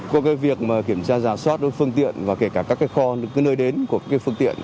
của cái việc kiểm tra giả soát đối với phương tiện và kể cả các cái kho nơi đến của cái phương tiện